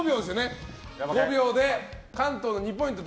５秒で関東の２ポイント